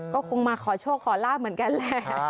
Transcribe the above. ก็คงมาขอโชคขอลาบเหมือนกันแหละ